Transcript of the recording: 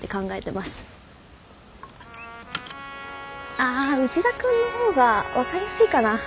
ああ内田君の方が分かりやすいかな。